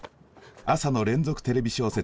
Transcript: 朝の連続テレビ小説